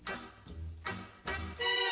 paris vẫn bình yên thơm mộng